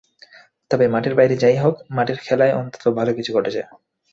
তবে মাঠের বাইরে যা-ই হোক, মাঠের খেলায় অন্তত ভালো কিছু ঘটেছে।